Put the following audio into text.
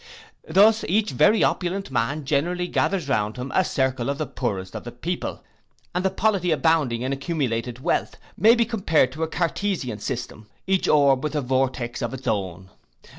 Thus each very opulent man generally gathers round him a circle of the poorest of the people; and the polity abounding in accumulated wealth, may be compared to a Cartesian system, each orb with a vortex of its own.